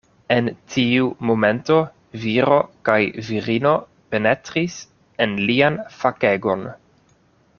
En tiu momento viro kaj virino penetris en lian fakegon.